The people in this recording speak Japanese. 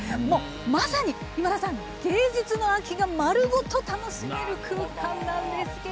まさに、芸術の秋が丸ごと楽しめる空間なんですが。